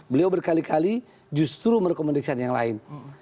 beliau berkali kali justru merekomendasikan yang lain